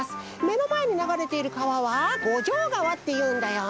めのまえにながれている川は五条川っていうんだよ。